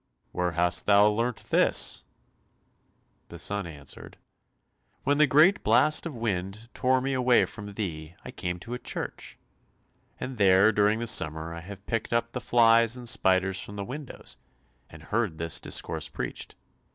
"Where hast thou learnt this?" The son answered, "When the great blast of wind tore me away from thee I came to a church, and there during the summer I have picked up the flies and spiders from the windows, and heard this discourse preached.